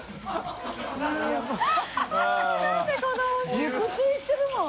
熟睡してるもん。